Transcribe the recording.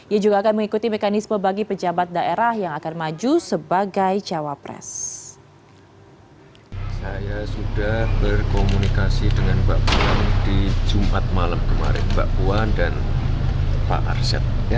ia juga akan mengikuti mekanisme bagi pejabat daerah yang akan maju sebagai cawapres